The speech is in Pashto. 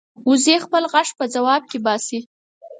وزې خپل غږ په ځواب کې باسي